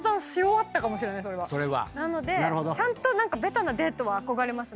なのでちゃんとベタなデートは憧れますね。